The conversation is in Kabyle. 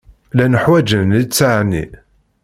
Llan ḥwaǧen litteɛ-nni.